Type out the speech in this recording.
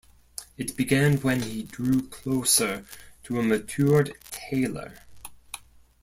It began when he grew closer to a matured Taylor.